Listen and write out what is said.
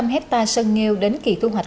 sáu trăm linh hectare sân nghêu đến kỳ thu hoạch